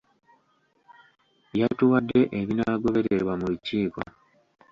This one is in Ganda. Yatuwadde ebinaagobererwa mu lukiiko.